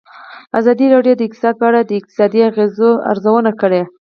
ازادي راډیو د اقتصاد په اړه د اقتصادي اغېزو ارزونه کړې.